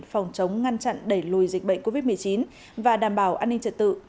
phòng chống ngăn chặn đẩy lùi dịch bệnh covid một mươi chín và đảm bảo an ninh trật tự